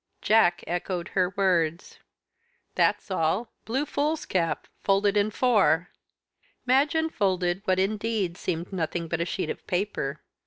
Jack echoed her words. "That's all blue foolscap folded in four." Madge unfolded what indeed seemed nothing but a sheet of paper.